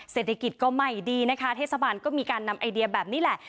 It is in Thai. เศรษฐกิจก็ไม่ดีนะคะเทศบาลก็มีการนำไอเดียแบบนี้แหละ